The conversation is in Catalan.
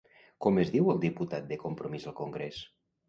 Com es diu el diputat de Compromís al congrés?